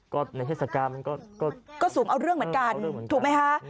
ก็ในเทศกรรมก็สูงเอาเรื่องเหมือนกันถูกไหมคะ